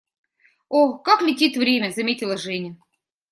«О, как летит время!», - заметила Женя.